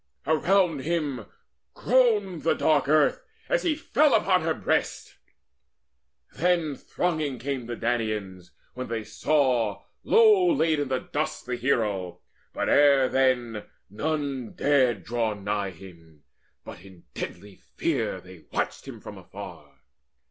Around him groaned The dark earth as he fell upon her breast. Then thronging came the Danaans, when they saw Low laid in dust the hero; but ere then None dared draw nigh him, but in deadly fear They watched him from afar.